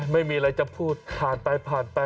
ไม่มีอะไรจะพูดผ่านไปผ่านไป